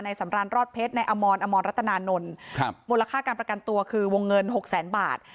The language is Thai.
สำรานรอดเพชรในอมรอมรรัตนานนท์มูลค่าการประกันตัวคือวงเงินหกแสนบาท